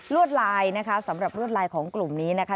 วดลายนะคะสำหรับรวดลายของกลุ่มนี้นะคะ